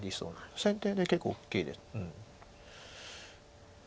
先手で結構大きいです。